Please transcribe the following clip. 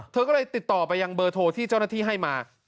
เธอก็เลยติดต่อไปยังเบอร์โทรที่เจ้าหน้าที่ให้มา